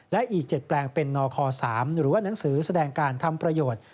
และอีก๗แปลงเป็นนค๓หรือว่าหนังสือแสดงการทำประโยชน์